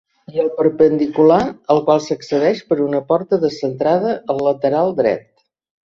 I el perpendicular, al qual s'accedeix per una porta descentrada al lateral dret.